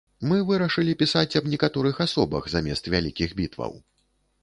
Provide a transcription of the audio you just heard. Мы вырашылі пісаць аб некаторых асобах замест вялікіх бітваў.